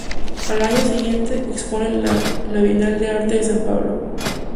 Al año siguiente, expone en la Bienal de Arte de San Pablo.